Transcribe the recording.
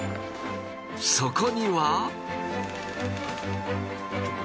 そこには。